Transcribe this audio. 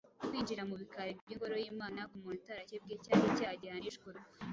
kwinjira mu bikari by’ingoro y’Imana k’umuntu utarakebwe cyari icyaha gihanishwa urupfu.